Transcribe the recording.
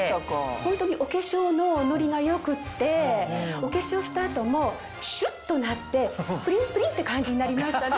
ホントにお化粧のノリが良くってお化粧した後もシュっとなってプリンプリンって感じになりました。